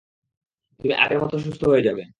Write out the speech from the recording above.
তুমি আগের মতো সুস্থ হয়ে যাবে!